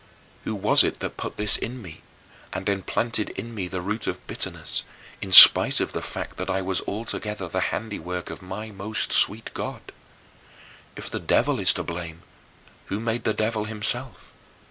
Who was it that put this in me, and implanted in me the root of bitterness, in spite of the fact that I was altogether the handiwork of my most sweet God? If the devil is to blame, who made the devil himself?